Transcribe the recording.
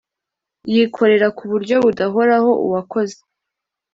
yikorera ku buryo budahoraho uwakoze